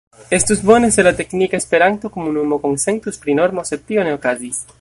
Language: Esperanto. Estus bone, se la teknika Esperanto-komunumo konsentus pri normo, sed tio ne okazis.